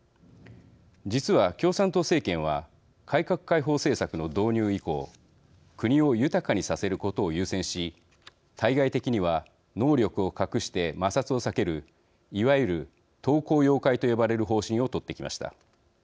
実は、共産党政権は改革開放政策の導入以降国を豊かにさせることを優先し対外的には能力を隠して摩擦を避ける、いわゆるとう光養かいと呼ばれる方針を取ってきました。